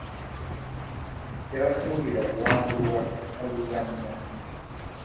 Tebasuubira kuwangulwa mu luzannya.